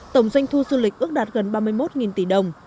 tổng doanh thu du lịch ước đạt gần ba mươi một tỷ đồng